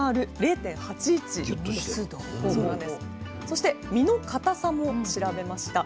そして実の硬さも調べました。